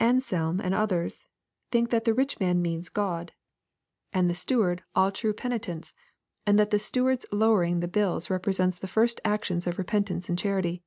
Anselm and others, think that the rich man means God, and 200 EXPOSITORY THOUGHTS. the steward aU tnie penitents, — ^and that the steward's lowering the bills represents the first actions of repentance and charity.